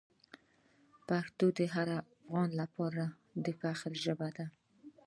پښتو د هر افغان لپاره د فخر ژبه ده.